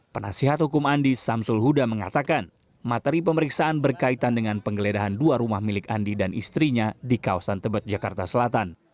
penasihat hukum andi samsul huda mengatakan materi pemeriksaan berkaitan dengan penggeledahan dua rumah milik andi dan istrinya di kawasan tebet jakarta selatan